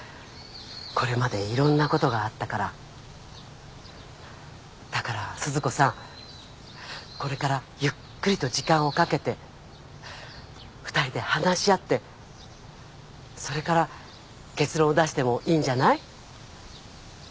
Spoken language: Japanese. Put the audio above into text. これまで色んなことがあったからだから鈴子さんこれからゆっくりと時間をかけて２人で話し合ってそれから結論を出してもいいんじゃない？